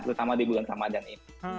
terutama di bulan ramadan ini